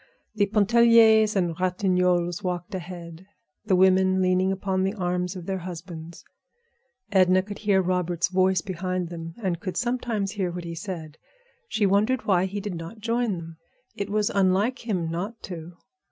The Pontelliers and Ratignolles walked ahead; the women leaning upon the arms of their husbands. Edna could hear Robert's voice behind them, and could sometimes hear what he said. She wondered why he did not join them. It was unlike him not to.